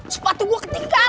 sepatu gua ketinggalan